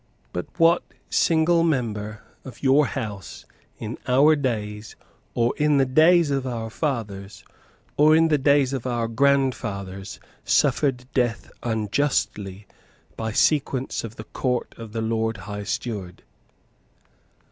But what single member of your House, in our days, or in the days of our fathers, or in the days of our grandfathers, suffered death unjustly by sentence of the Court of the Lord High Steward?